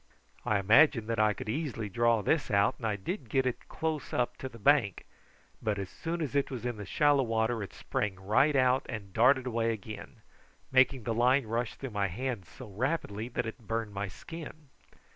I imagined that I could easily draw this out, and I did get it close up to the bank, but as soon as it was in the shallow water it sprang right out and darted away again, making the line rush through my hands so rapidly that it burned my skin.